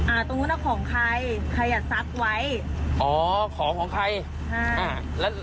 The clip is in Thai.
ตรงนู้นอ่ะของใครใครอ่ะซักไว้อ๋อของของใครอ่าแล้ว